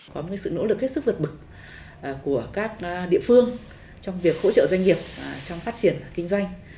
có một sự nỗ lực hết sức vượt bậc của các địa phương trong việc hỗ trợ doanh nghiệp trong phát triển kinh doanh